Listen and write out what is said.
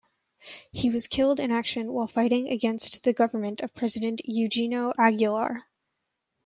He was killed in action while fighting against the government of President Eugenio Aguilar.